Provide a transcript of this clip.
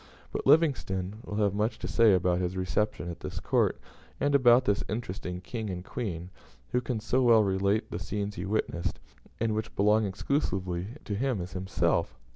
But Livingstone will have much to say about his reception at this court, and about this interesting King and Queen; and who can so well relate the scenes he witnessed, and which belong exclusively to him, as he himself?